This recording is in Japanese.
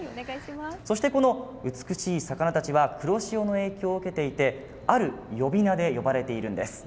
そしてこの美しい魚たちは黒潮の影響を受けていてある呼び名で呼ばれているんです。